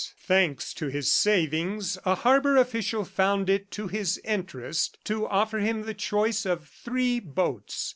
Thanks to his savings, a harbor official found it to his interest to offer him the choice of three boats.